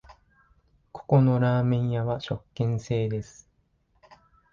ここのラーメン屋は食券制です